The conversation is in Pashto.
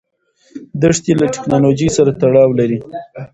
دښتې له تکنالوژۍ سره تړاو لري.